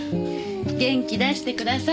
元気出してください。